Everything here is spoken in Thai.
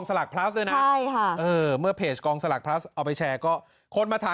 สลักพลัสด้วยนะใช่ค่ะเออเมื่อเพจกองสลักพลัสเอาไปแชร์ก็คนมาถาม